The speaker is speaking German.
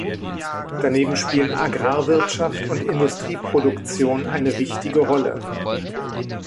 Daneben spielen Agrarwirtschaft und Industrieproduktion eine wichtige Rolle.